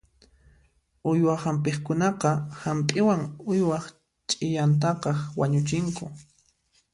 Uywa hampiqkunaqa hampiwan uywaq ch'iyantaqa wañuchinku.